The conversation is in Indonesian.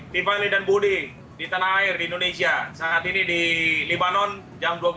di fahli dan budi di tanah air di indonesia saat ini di lebanon jam dua puluh tiga